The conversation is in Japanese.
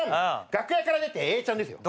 楽屋から出て永ちゃんですよ。